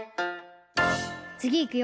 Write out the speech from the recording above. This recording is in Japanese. つぎいくよ。